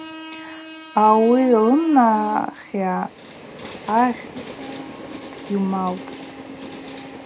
Ауи лынахйа – хӏагъь дгьумаутӏ.